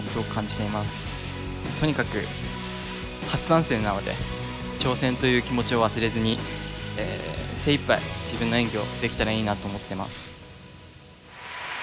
とにかく初参戦なので挑戦という気持ちを忘れずに精いっぱい自分の演技をできたらいいなと思ってます。